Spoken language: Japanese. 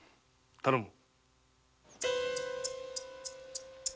頼む。